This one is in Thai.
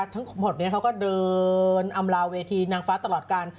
ทั้งหมดนี้เขาก็เดินอำลาเวทีนางฟ้าตลอดการ